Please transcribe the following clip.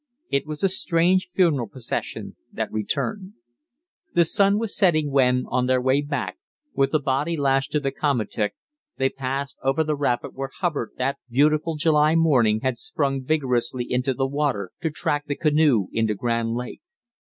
It was a strange funeral procession that returned. The sun was setting when, on their way back, with the body lashed to the komatik, they passed over the rapid where Hubbard that beautiful July morning had sprung vigorously into the water to track the canoe into Grand Lake.